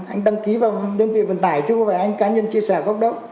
anh đăng ký vào đơn vị vận tải chứ không phải anh cá nhân chia sẻ góc đâu